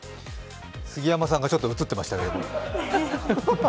杉山さんがちょっと映っていましたけれども。